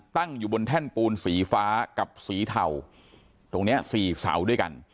ตั้งอยู่บนแท่นปูนสีฟ้ากับสีเทาตรงเนี้ยสี่เสาด้วยกัน